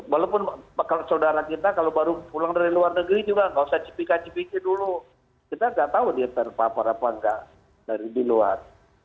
walaupun saudara kita kalau baru pulang dari luar negeri juga tidak usah jipika jipiki dulu kita tidak tahu dia terpapar atau tidak dari di luar